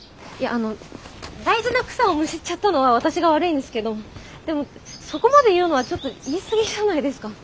あの大事な草をむしっちゃったのは私が悪いんですけどでもそこまで言うのはちょっと言い過ぎじゃないですか。